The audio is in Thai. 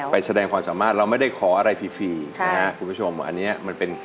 ไปแสดงความสามารถเราไม่ได้ขออะไรฟรีฟรีนะฮะคุณผู้ชมอันนี้มันเป็น